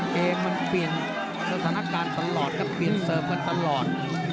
เกมมันเปลี่ยนสถานการณ์ตลอดเปลี่ยนเสฟแม่ตลอด